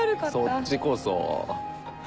そっちこそ。